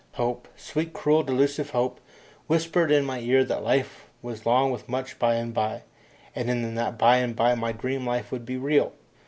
Hope, sweet, cruel, delusive Hope, whispered in my ear that life was long with much by and by, and in that by and by my dream life would be real.